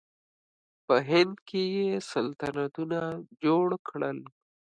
په هند کې یې سلطنتونه جوړ کړل.